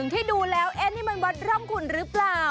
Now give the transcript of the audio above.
ที่ดูแล้วนี่มันวัดร่องขุนหรือเปล่า